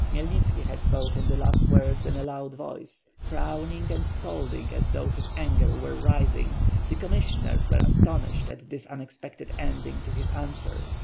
Khmyelnitski had spoken the last words in a loud voice, frowning and scolding as though his anger were rising; the commissioners were astonished at this unexepected ending to his answer.